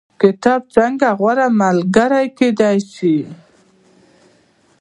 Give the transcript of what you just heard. کتاب څنګه غوره ملګری کیدی شي؟